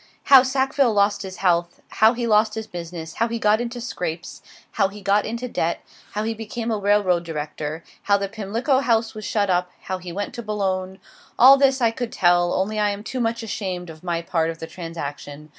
How Sackville lost his health: how he lost his business; how he got into scrapes; how he got into debt; how he became a railroad director; how the Pimlico house was shut up; how he went to Boulogne, all this I could tell, only I am too much ashamed of my part of the transaction.